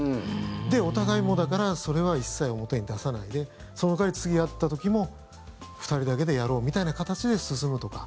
それでお互いも、だからそれを一切表に出さないでその代わり、次会った時も２人だけでやろうみたいな形で進むとか。